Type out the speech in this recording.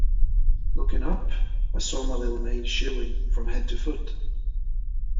Looking up, I saw my little maid shivering from head to foot.